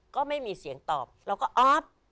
ก็ไม่มีเสียงตอบเราก็ออฟ